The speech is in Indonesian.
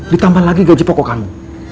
ditambah lagi gaji pokok kami